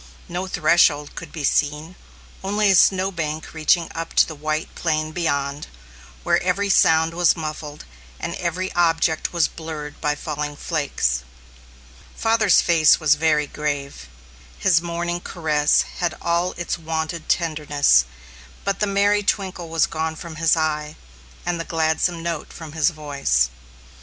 No threshold could be seen, only a snow bank reaching up to the white plain beyond, where every sound was muffled, and every object was blurred by falling flakes. Father's face was very grave. His morning caress had all its wonted tenderness, but the merry twinkle was gone from his eye, and the gladsome note from his voice.